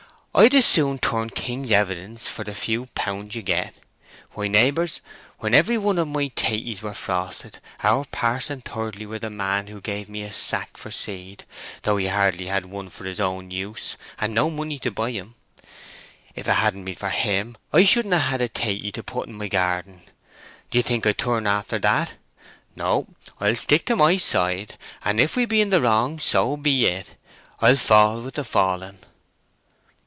I'd as soon turn king's evidence for the few pounds you get. Why, neighbours, when every one of my taties were frosted, our Parson Thirdly were the man who gave me a sack for seed, though he hardly had one for his own use, and no money to buy 'em. If it hadn't been for him, I shouldn't hae had a tatie to put in my garden. D'ye think I'd turn after that? No, I'll stick to my side; and if we be in the wrong, so be it: I'll fall with the fallen!"